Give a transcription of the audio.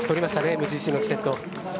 ＭＧＣのチケット。